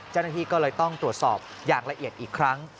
เจ้าหน้าที่ก็เลยต้องตรวจสอบอย่างละเอียดอีกครั้ง